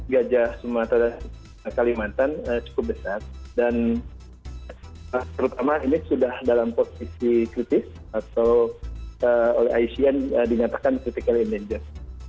gajah sumatera dan kalimantan cukup besar dan terutama ini sudah dalam posisi kritis atau oleh icn dinyatakan critical englanjur